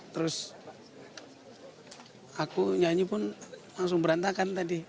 terus aku nyanyi pun langsung berantakan tadi